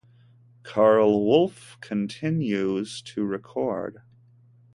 Karl Wolf continues to record.